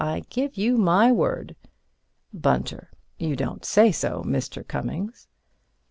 I give you my word. Bunter: You don't say so, Mr. Cummings.